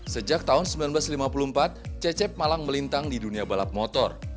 sejak tahun seribu sembilan ratus lima puluh empat cecep malang melintang di dunia balap motor